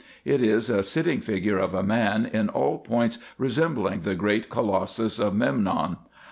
It is a sitting figure of a man, in all points resembling the great colossus of Memnon.